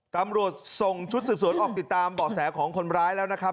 ตำรวจส่งชุดสืบสวนออกติดตามเบาะแสของคนร้ายแล้วนะครับ